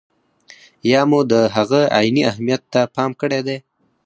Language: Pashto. یا مو د هغه عیني اهمیت ته پام کړی دی.